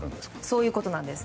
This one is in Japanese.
そういうことなんです。